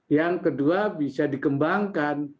yang kedua bisa dikembangkan